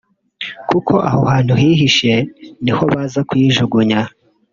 kuko aho hantu hihishe niho baza kuyijugunya